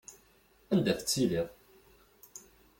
Anda tettiliḍ?